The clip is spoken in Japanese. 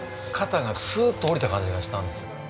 肩がすーっと下りた感じがしたんです。